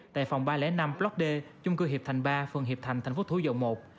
tại phòng ba trăm linh năm block d chung cư hiệp thành ba phường hiệp thành thành phố thủ dầu một